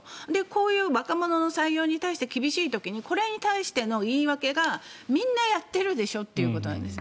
こういう若者の採用に対して厳しい時にこれに対しての言い訳がみんなやっているでしょということなんです。